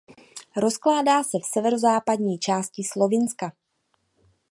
Rozkládá se v severozápadní části Slovinska.